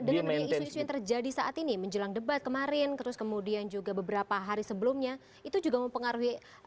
dengan isu isu yang terjadi saat ini menjelang debat kemarin terus kemudian juga beberapa hari sebelumnya itu juga mempengaruhi